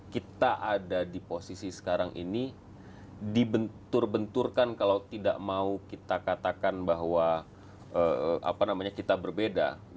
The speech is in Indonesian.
kita ada di posisi sekarang ini dibentur benturkan kalau tidak mau kita katakan bahwa kita berbeda